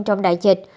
trong đại dịch